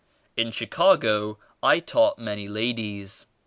In Chicago I taught many ladies.